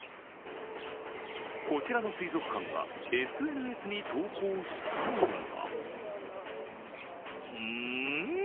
こちらの水族館がＳＮＳに投稿したのがん？